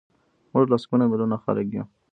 موږ لسګونه میلیونه خلک یو.